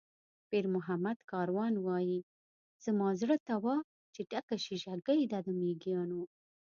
پیرمحمد کاروان وایي: "زما زړه ته وا چې ډکه شیشه ګۍ ده د مېږیانو".